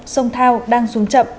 sông thao đang xuống chậm